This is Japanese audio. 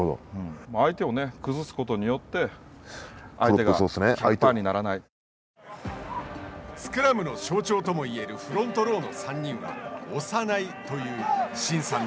相手を崩すことによって相手が１スクラムの象徴ともいえるフロントローの３人は押さないという慎さん